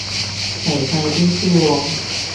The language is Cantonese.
齊晒啲書喎